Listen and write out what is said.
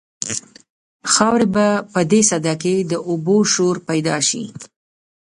خاورې به په دې سده کې د اوبو شور پیدا شي.